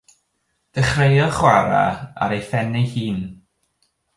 Dechreuodd chwarae ar ei phen ei hun.